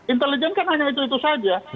intelijen kan hanya itu itu saja